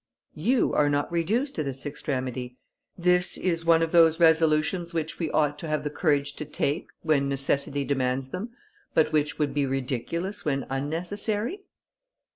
"You are not reduced to this extremity: this is one of those resolutions which we ought to have the courage to take, when necessity demands them, but which would be ridiculous when unnecessary?"